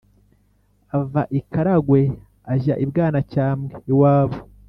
ava i karagwe ajya ibwanacyambwe iwabo